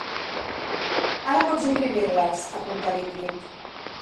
Ara pots imprimir-les —apunta l'Ingrid—.